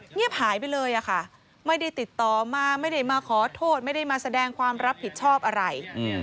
เงียบหายไปเลยค่ะไม่ได้ติดต่อมาไม่ได้มาขอโทษไม่ได้มาแสดงความรับผิดชอบอะไร